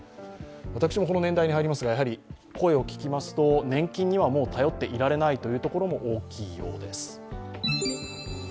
私もこの年代に入りますが声を聞きますと、年金にはもう頼っていられないというところも大きいようです。